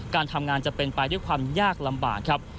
การทำงานจะเป็นไปด้วยความยากลำบากครับ